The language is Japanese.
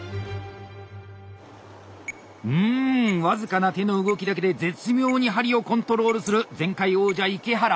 うん僅かな手の動きだけで絶妙に針をコントロールする前回王者池原。